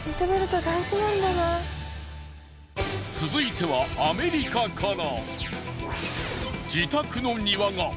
続いてはアメリカから。